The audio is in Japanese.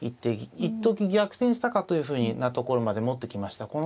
いっとき逆転したかというふうなところまで持ってきました。